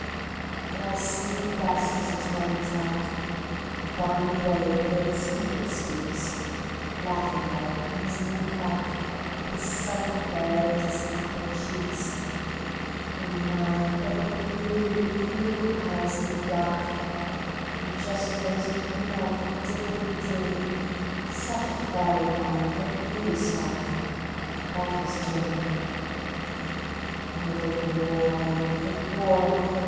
But I see him best as a tiny tot, A bonny babe, though it's me that speaks; Laughing there in his little cot, With his sunny hair and his apple cheeks. And my! but the blue, blue eyes he'd got, And just where his wee mouth dimpled dim Such a fairy mark like a beauty spot That was Jim. Oh, the war, the war!